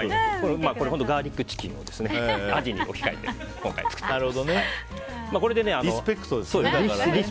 ガーリックチキンをアジに置き換えてリスペクトですね。